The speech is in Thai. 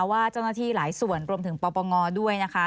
ว่าเจ้าหน้าที่หลายส่วนรวมถึงปปงด้วยนะคะ